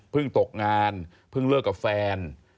ตกงานเพิ่งเลิกกับแฟน